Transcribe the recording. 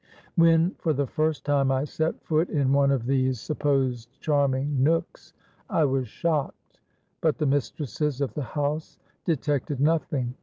When for the first time I set foot in one of these supposed charming nooks, I was shocked; but the mistresses of the house detected nothing.